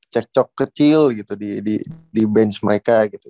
cekcok kecil gitu di bench mereka gitu